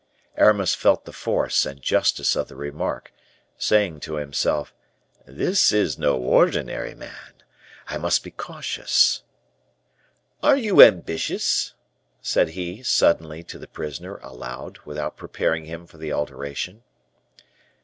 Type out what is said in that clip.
Aramis felt the force and justice of the remark, saying to himself, "This is no ordinary man; I must be cautious. Are you ambitious?" said he suddenly to the prisoner, aloud, without preparing him for the alteration.